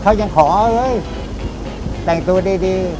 เขายังขอเฮ้ยแต่งตัวดี